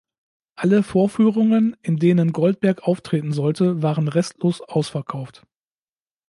Alle Vorführungen, in denen Goldberg auftreten sollte, waren restlos ausverkauft.